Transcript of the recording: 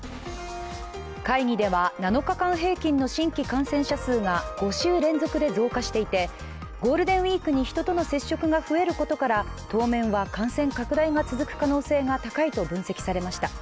会議では、７日間平均の新規感染者数が５週連続で増加していてゴールデンウイークに人との接触が増えることから当面は感染拡大が続く可能性が高いと分析されました。